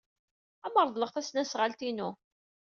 Ad am-reḍleɣ tasnasɣalt-inu.